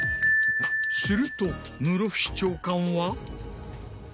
すると室伏長官は。